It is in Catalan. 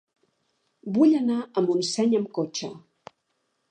Vull anar a Montseny amb cotxe.